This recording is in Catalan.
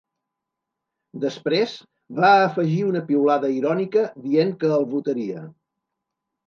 Després, va afegir una piulada irònica dient que el votaria.